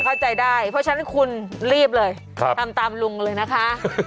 เข้าใจได้เพราะฉะนั้นคุณรีบเลยทำตามลุงเลยนะคะ